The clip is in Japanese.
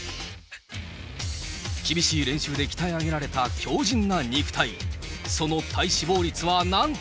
厳しい練習で鍛え上げられた強じんな肉体。